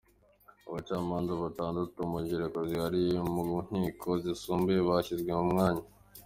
Abacamanza batandatu mu ngereko zihariye no mu nkiko zisumbuye bashyizwe mu myanya.